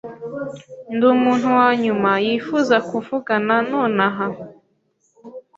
Ndi umuntu wanyuma yifuza kuvugana nonaha.